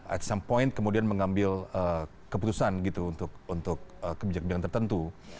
at some point kemudian mengambil keputusan gitu untuk kebijakan tertentu